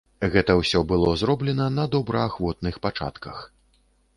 Гэта ўсё было зроблена на добраахвотных пачатках.